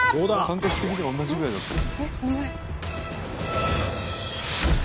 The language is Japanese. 感覚的には同じぐらいだった。